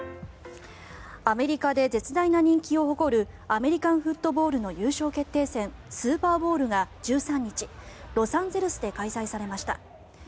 アメリカで絶大な人気を誇るアメリカンフットボールの優勝決定戦、スーパーボウルが１３日、ロサンゼルスで開催されました。